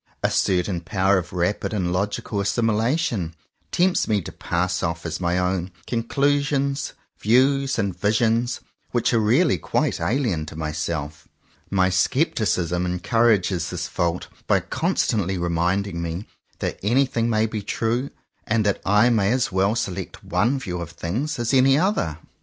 A certain power of rapid and logical assimu lation tempts me to pass off as my own con clusions views and visions which are really quite alien to myself. My scepticism en courages this fault by constantly reminding me that anything may be true, and that I may as well select one view of things as any other.